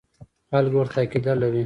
خلک ورته عقیده لري.